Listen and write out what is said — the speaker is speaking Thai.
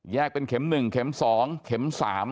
เป็นเข็ม๑เข็ม๒เข็ม๓